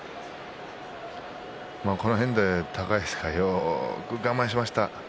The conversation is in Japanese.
この辺で高安がよく我慢しました。